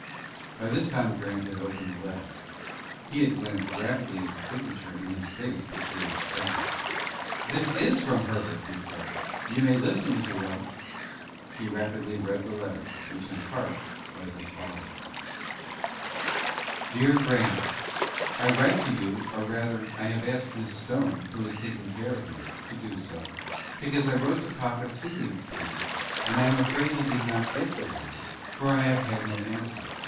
By this time Grant had opened the letter. He had glanced rapidly at the signature, and his face betrayed excitement. "This is from Herbert," he said. "You may listen, if you like." He rapidly read the letter, which in part was as follows: "DEAR GRANT: I write to you, or rather I have asked Miss Stone, who is taking care of me, to do so, because I wrote to papa two weeks since, and I am afraid he did not get the letter, for I have had no answer.